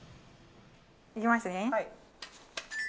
いきますね。